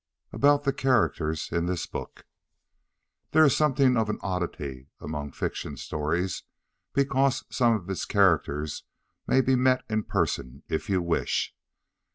About the characters in this book: This is something of an oddity among fiction stories, because some of its characters may be met in person if you wish.